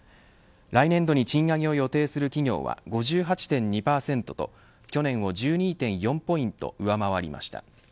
来年度に賃上げを予定する企業は５８．２％と去年を１２．４ポイント上回りました。